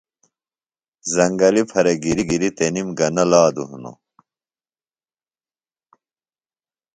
زنگلیۡ پھرےۡ گِریۡ گِریۡ تنِم گہ نہ لادوۡ ہِنوۡ